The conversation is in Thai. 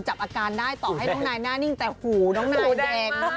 จับอาการได้ต่อให้น้องนายหน้านิ่งแต่หูน้องนายแดง